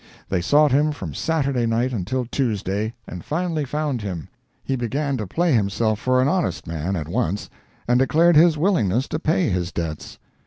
They sought him from Saturday night until Tuesday, and finally found him. He began to play himself for an honest man, at once, and declared his willingness to pay his debts.